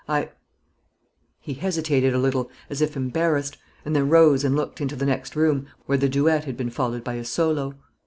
I " He hesitated a little, as if embarrassed; and then rose and looked into the next room, where the duet had been followed by a solo.